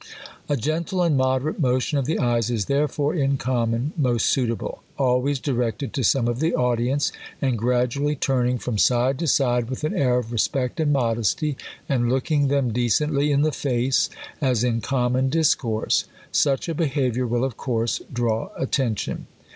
A gentle and moderate motion of the eyes is, therefore, in common, most suitable ; always directed to some of the audience, and gradually turning from side to side with an air of respect and modesty, and looking them decently in the face, as in common dis course. Such a behaviour will of course draw at tention.